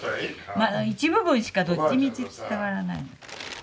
一部分しかどっちみち伝わらない。